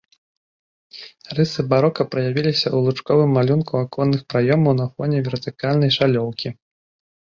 Рысы барока праявіліся ў лучковым малюнку аконных праёмаў на фоне вертыкальнай шалёўкі.